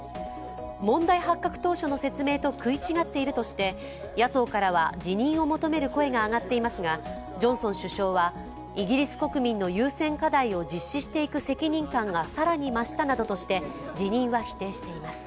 問題発覚当初の説明と食い違っているとして野党からは辞任を求める声が上がっていますが、ジョンソン首相はイギリス国民の優先課題を実施していく責任感が更に増したなどとして辞任は否定しています。